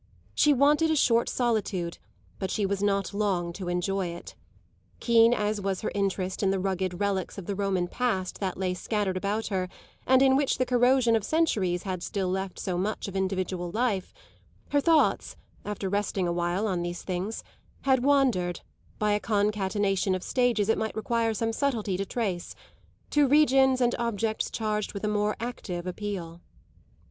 She wanted a short solitude, but she was not long to enjoy it. Keen as was her interest in the rugged relics of the Roman past that lay scattered about her and in which the corrosion of centuries had still left so much of individual life, her thoughts, after resting a while on these things, had wandered, by a concatenation of stages it might require some subtlety to trace, to regions and objects charged with a more active appeal.